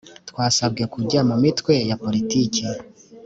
twasabwe kujya mu mitwe ya politiki